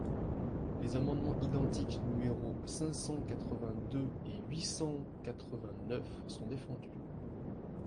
Les amendements identiques numéros cinq cent quatre-vingt-deux et huit cent quatre-vingt-neuf sont défendus.